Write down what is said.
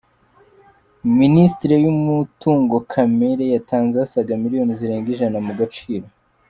Minisiteri y’Umutungo Kamere yatanze asaga miliyoni zirenga ijana mu gaciro